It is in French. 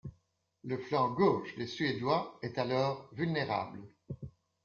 Le flanc gauche des suédois est alors vulnérable.